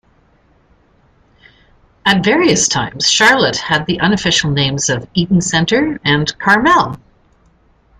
At various times Charlotte had the unofficial names of Eaton Centre, and Carmel.